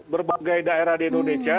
berbagai daerah di indonesia